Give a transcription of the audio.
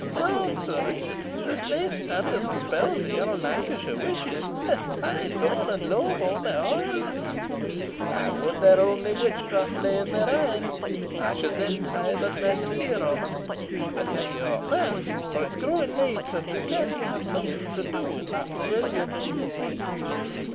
Zounds! Sir Richard, there's nae standing the spells o' your Lancashire Witches. High born and low born, they are a' alike. I wad their only witchcraft lay in their een. I should then hae the less fear of 'em. But have you aught mair? for it is growing late, and ye ken we hae something to do in that pavilion."